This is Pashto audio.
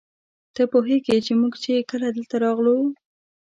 ته پوهېږې موږ چې کله دلته راغلو.